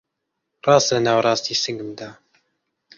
ڕاست لە ناوەڕاستی سنگمدا